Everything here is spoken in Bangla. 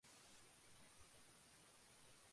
ও মারছেও না, নড়ছেও না।